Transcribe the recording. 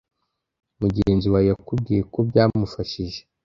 mugenzi wawe yakubwiye ko byamufashije,